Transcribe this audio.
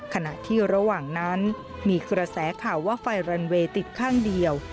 ขณะที่ระหว่างนั้นมีกระแสข่าวว่าไฟรันเวย์ติดข้างเดียว